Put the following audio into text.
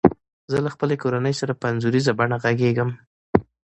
زه له خپلي کورنۍ سره په انځوریزه بڼه غږیږم.